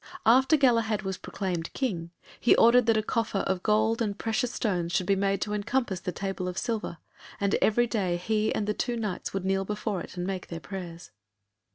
After Galahad was proclaimed King, he ordered that a coffer of gold and precious stones should be made to encompass the table of silver, and every day he and the two Knights would kneel before it and make their prayers.